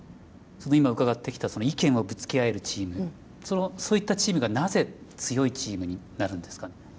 今伺ってきた意見をぶつけ合えるチームそういったチームがなぜ強いチームになるんですかね？